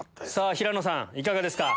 平野さんいかがですか？